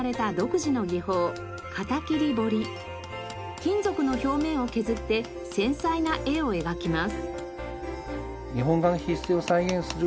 金属の表面を削って繊細な絵を描きます。